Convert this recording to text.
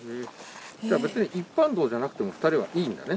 じゃあ別に一般道じゃなくても２人はいいんだね？